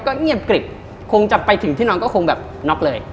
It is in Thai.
เงียบกริบคงจะไปถึงที่นอนก็คงแบบน็อกเลย